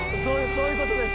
そういう事です。